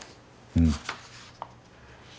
うん。